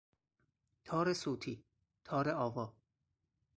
تار صوتی، تار آوا